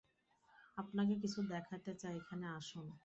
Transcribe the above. আপনাকে কিছু দেখাতে চাই, এখানে আসুন।